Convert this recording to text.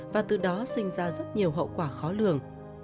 và từ đó sinh ra rất nhiều hậu quả khó lường